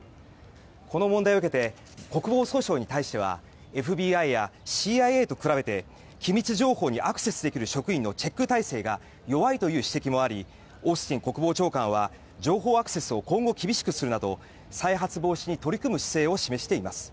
この問題を受けて国防総省に対してはＦＢＩやＣＩＡと比べて機密情報にアクセスできる職員のチェック体制が弱いという指摘もありオースティン国防長官は情報アクセスを今後厳しくするなど再発防止に取り組む姿勢を示しています。